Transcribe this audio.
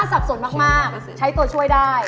สับสนมากใช้ตัวช่วยได้